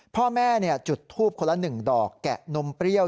พ่อแม่จุดทูบคนละ๑ดอกแกะนมเปรี้ยว